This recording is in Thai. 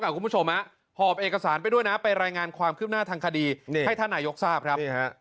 คุณผู้ชมหอบเอกสารไปด้วยนะไปรายงานความคืบหน้าทางคดีให้ท่านนายกทราบครับ